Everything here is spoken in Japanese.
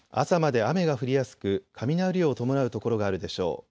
朝まで雨が降りやすく雷を伴う所があるでしょう。